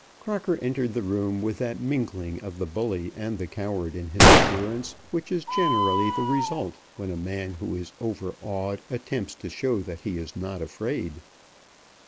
Crocker entered the room with that mingling of the bully and the coward in his appearance which is generally the result when a man who is overawed attempts to show that he is not afraid.